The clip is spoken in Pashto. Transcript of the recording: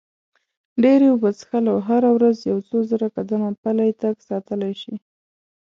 ډېرې اوبه څښل او هره ورځ یو څو زره قدمه پلی تګ ساتلی شي.